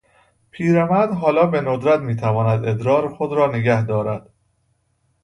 پیرمرد حالا به ندرت میتواند ادرار خود را نگهدارد.